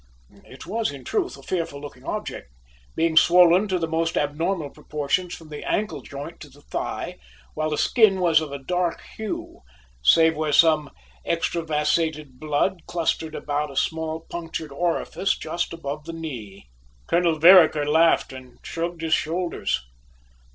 It was, in truth, a fearful looking object, being swollen to the most abnormal proportions from the ankle joint to the thigh, while the skin was of a dark hue, save where some extravasated blood clustered about a small punctured orifice just above the knee. Colonel Vereker laughed and shrugged his shoulders.